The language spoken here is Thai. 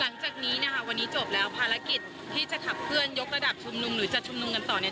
หลังจากนี้นะคะวันนี้จบแล้วภารกิจที่จะขับเคลื่อนยกระดับชุมนุมหรือจัดชุมนุมกันต่อเนี่ย